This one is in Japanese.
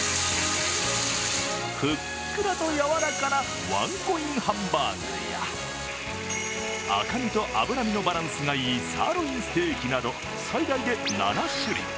ふっくらとやわらかなワンコインハンバーグや、赤身と脂身のバランスがいいサーロインステーキなど最大で７種類。